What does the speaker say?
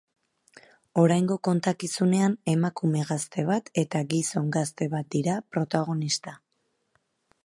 Oraingo kontakizunean emakume gazte bat eta gizon gazte bat dira protagonista.